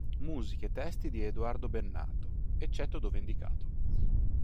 Musiche e testi di Edoardo Bennato, eccetto dove indicato